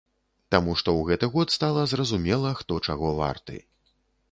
Таму што ў гэты год стала зразумела, хто чаго варты.